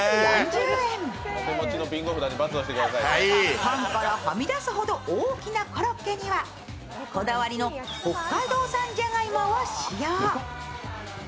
パンからはみ出すほど大きなコロッケにはこだわりの北海道産じゃがいもを使用。